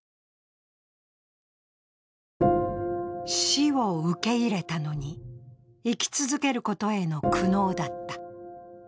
死を受け入れたのに、生き続けることへの苦悩だった。